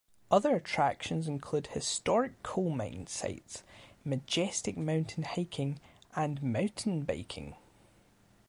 Other attractions include historic coal mine sites, majestic mountain hiking and mountain biking.